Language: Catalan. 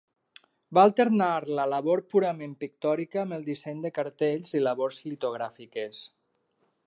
Va alternar la labor purament pictòrica amb el disseny de cartells i labors litogràfiques.